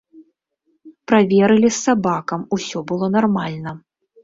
Праверылі з сабакам, усё было нармальна.